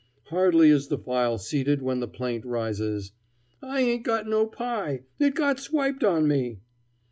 Hardly is the file seated when the plaint rises: "I ain't got no pie! It got swiped on me."